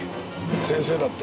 先生だって。